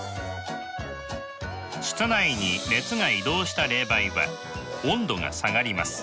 室内に熱が移動した冷媒は温度が下がります。